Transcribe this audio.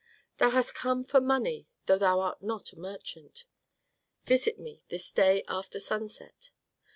"Thou hast come for money, though thou art not a merchant. _Visit me this day after sunset.